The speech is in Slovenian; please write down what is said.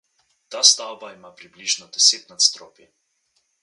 Ta stavba ima približno deset nadstropij.